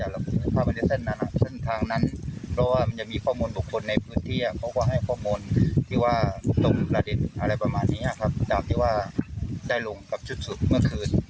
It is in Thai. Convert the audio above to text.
แล้วก็กลุ่มจากที่ว่าได้ลงกับจุดสูตรเมื่อคืน